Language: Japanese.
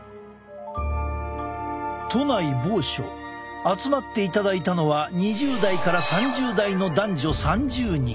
都内某所集まっていただいたのは２０代から３０代の男女３０人。